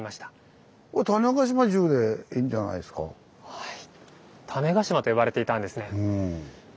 はい。